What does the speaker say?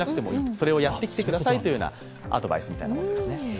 それをやってきてくださいというようなアドバイスということです。